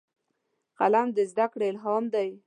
قلم د زدهکړې الهام دی